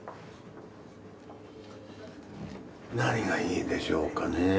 何がいいでしょうかねえ。